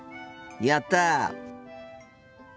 やった！